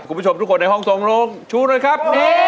คุณผู้ชมทุกคนในห้องทรงลุงชูหน่อยครับ